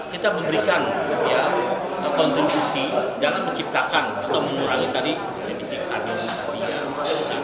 kita memberikan kontribusi dalam menciptakan atau mengurangi tadi emisi karbon